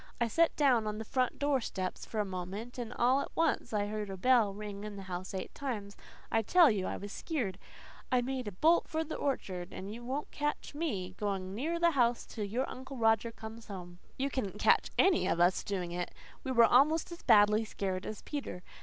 I set down on the front door steps for a moment, and all at once I heard a bell ring in the house eight times. I tell you I was skeered. I made a bolt for the orchard and you won't catch me going near that house till your Uncle Roger comes home." You wouldn't catch any of us doing it. We were almost as badly scared as Peter.